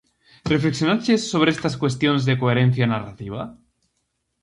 Reflexionaches sobre estas cuestións de coherencia narrativa?